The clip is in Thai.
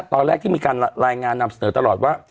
ตอนแรกที่มีการรายงานนำเสนอตลอดว่า